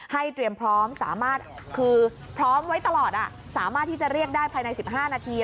เตรียมพร้อมสามารถคือพร้อมไว้ตลอดสามารถที่จะเรียกได้ภายใน๑๕นาที